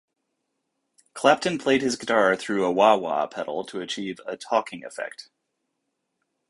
Clapton played his guitar through a wah-wah pedal to achieve a "talking-effect".